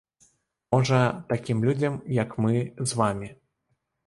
Можа, такім людзям, як мы з вамі.